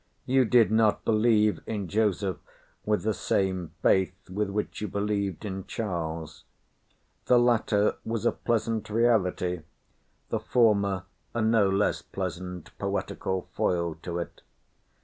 You did not believe in Joseph with the same faith with which you believed in Charles. The latter was a pleasant reality, the former a no less pleasant poetical foil to it.